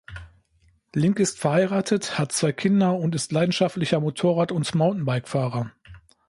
Link ist verheiratet, hat zwei Kinder und ist leidenschaftlicher Motorrad- und Mountainbike-Fahrer.